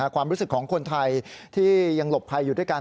ความรู้สึกของคนไทยที่ยังหลบภัยอยู่ด้วยกัน